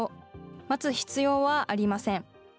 待つ必要はありません。